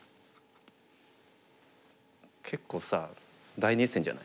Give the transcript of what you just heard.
結構さ大熱戦じゃない？